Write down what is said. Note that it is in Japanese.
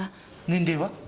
年齢は？